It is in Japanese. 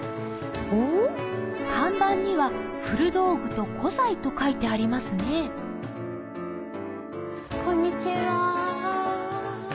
看板には「古道具」と「古材」と書いてありますねこんにちは。